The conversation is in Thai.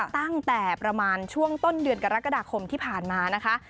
ตั้งแต่ประมาณช่วงต้นเดือนกรกฎาคมที่ผ่านมานะคะ